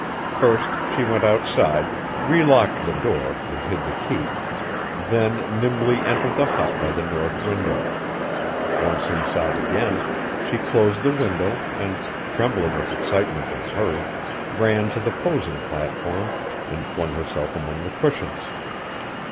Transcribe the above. First, she went outside, relocked the door and hid the key; then nimbly entered the hut by the north window. Once inside again, she closed the window and, trembling with excitement and hurry, ran to the posing platform and flung herself among the cushions.